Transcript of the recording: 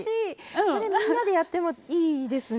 これ、みんなでやってもいいですね。